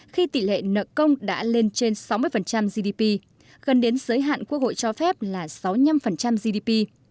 khi tỷ lệ nợ công đã lên trên sáu mươi gdp gần đến giới hạn quốc hội cho phép là sáu mươi năm gdp